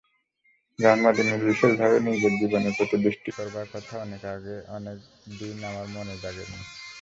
জন্মদিনে বিশেষভাবে নিজের জীবনের প্রতি দৃষ্টি করবার কথা অনেকদিন আমার মনে জাগেনি।